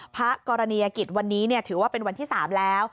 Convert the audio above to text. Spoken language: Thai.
พระกรณียกิจวันนี้ถือว่าเป็นวันที่๓แล้ว